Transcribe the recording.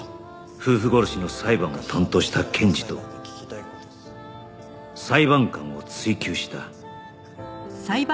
夫婦殺しの裁判を担当した検事と裁判官を追及した